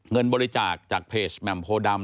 เงินบริจาคจากเพจแหม่มโพดำ